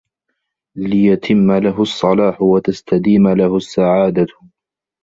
لِيَتِمَّ لَهُ الصَّلَاحُ وَتَسْتَدِيمَ لَهُ السَّعَادَةُ